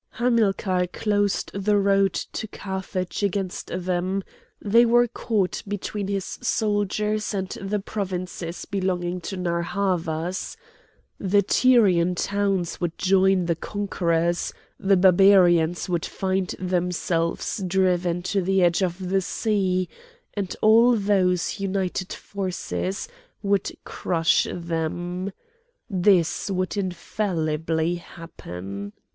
Hamilcar closed the road to Carthage against them; they were caught between his soldiers and the provinces belonging to Narr' Havas; the Tyrian towns would join the conquerors; the Barbarians would find themselves driven to the edge of the sea, and all those united forces would crush them. This would infallibly happen.